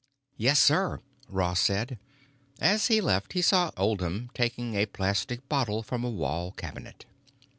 "Yes, sir," Ross said. As he left he saw Oldham taking a plastic bottle from a wall cabinet.